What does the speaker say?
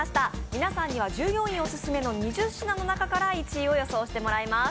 皆さんには従業員オススメの２０品の中から１位を予想してもらいます